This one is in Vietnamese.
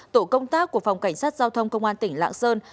tổ công tác của phòng cảnh sát giao thông công an tỉnh lạng sơn